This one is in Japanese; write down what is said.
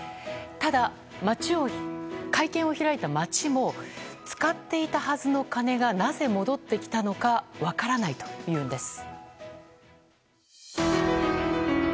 ただ、会見を開いた町も使っていたはずの金がなぜ戻ってきたのか分からないというんです。